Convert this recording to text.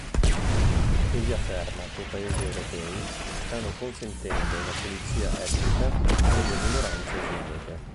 Egli afferma che i Paesi europei stanno consentendo una pulizia etnica delle minoranze islamiche.